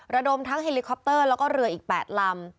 ระดมทั้งเฮลิคอปเตอร์แล้วก็เรืออีก๘ลำ